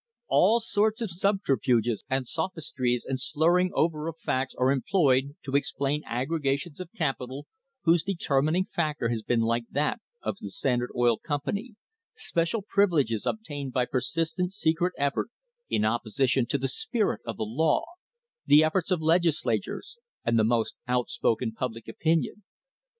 All sorts of subterfuges and sophistries and slur ring over of facts are employed to explain aggregations of capital whose determining factor has been like that of the Standard Oil Company, special privileges obtained by per sistent secret effort in opposition to the spirit of the law, the efforts of legislators, and the most outspoken public opinion.